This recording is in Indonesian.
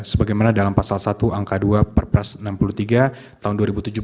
sebagaimana dalam pasal satu angka dua perpres enam puluh tiga tahun dua ribu tujuh belas